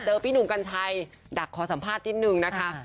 พี่หนุ่มกัญชัยดักขอสัมภาษณ์นิดนึงนะคะ